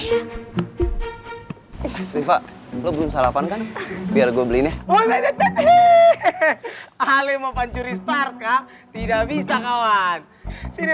hai riva belum sarapan kan biar gue belinya oleh detik alemau pancuri starca tidak bisa kawan sini